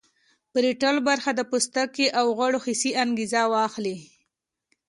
پریټل برخه د پوستکي او غړو حسي انګیزې اخلي